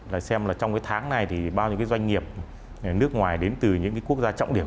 là xem là trong cái tháng này thì bao nhiêu cái doanh nghiệp nước ngoài đến từ những cái quốc gia trọng điểm